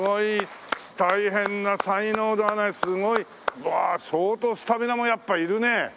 大変な才能だねすごい。わあ相当スタミナもやっぱいるね。